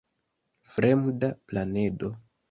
Fremda planedo.